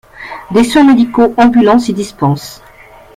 Des soins médicaux ambulants s'y dispensent.